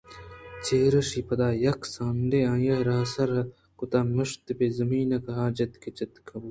چرایشی ءَ پدا یک سانڈے ءَ آئی ءَ راسر ءَ کُت مُشت پہ زمین ءَ کہ آ جَتک جَتک بُوت